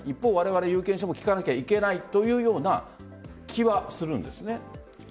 有権者も聞かなきゃいけないというような気はするんですよね。